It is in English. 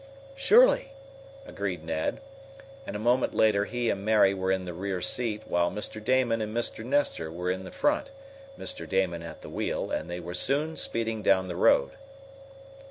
"Surely," agreed Ned, and a moment later he and Mary were in the rear seat while Mr. Damon and Mr. Nestor were in the front, Mr. Damon at the wheel, and they were soon speeding down the road.